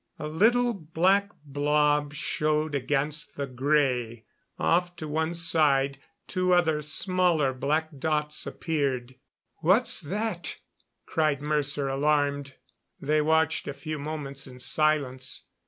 A little black blob showed against the gray; off to one side two other smaller black dots appeared. "What's that?" cried Mercer, alarmed. They watched a few moments in silence.